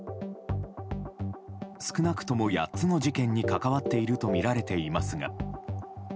少なくとも８つの事件に関わっているとみられていますが。